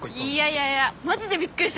いやいやマジでびっくりしたからね。